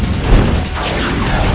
dan menang perang